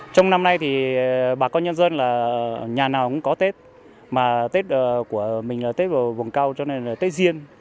trong năm nay thì bà con nhân dân là nhà nào cũng có tết mà tết của mình là tết vào vùng cao cho nên là tết riêng